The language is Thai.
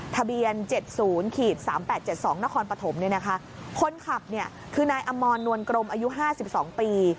ทะเบียน๗๐๓๘๗๒นครปฐมคนขับคือนายอามรนวลกรมอายุ๕๒ปี